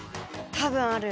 多分ある。